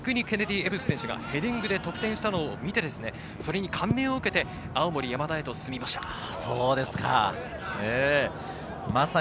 ケネディエブス選手がヘディングで得点したのを見て、それで感銘を受けて、青森山田へと進みました。